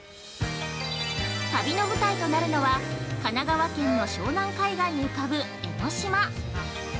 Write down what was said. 旅の舞台となるのは神奈川県の湘南海岸に浮かぶ江の島。